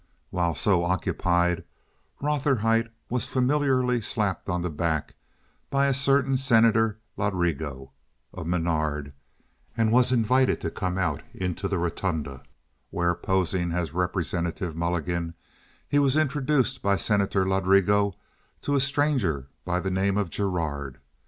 While so occupied Rotherhite was familiarly slapped on the back by a certain Senator Ladrigo, of Menard, and was invited to come out into the rotunda, where, posing as Representative Mulligan, he was introduced by Senator Ladrigo to a stranger by the name of Gerard.